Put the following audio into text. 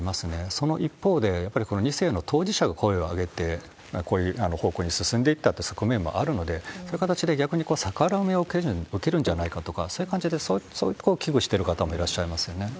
その一方で、やっぱりこの２世の当事者が声を上げて、こういう方向に進んでいったという側面もあるので、そういう形で、逆に逆恨みを受けるんじゃないかとか、そういう感じで、そこを危惧してる方もいらっしゃいますよね。